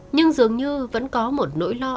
nhưng dường như vẫn có một nỗi lo âm